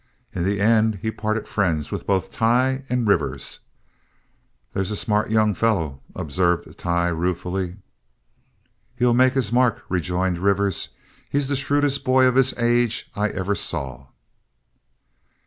In the end he parted friends with both Tighe and Rivers. "That's a smart young fellow," observed Tighe, ruefully. "He'll make his mark," rejoined Rivers. "He's the shrewdest boy of his age I ever saw."